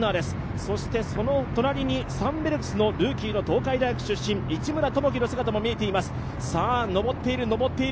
そしてその隣にサンベルクスのルーキーの東海大学の出身、市村朋樹の姿も見えています、上っている、上っている。